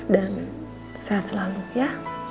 dan sehat selalu ya